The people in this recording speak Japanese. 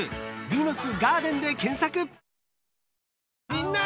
みんな！